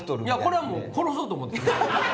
これはもう殺そうと思って。